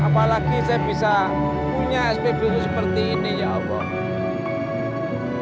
apalagi saya bisa punya spbu seperti ini ya allah